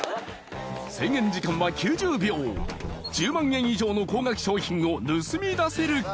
制限時間は９０秒１０万円以上の高額商品を盗み出せるか？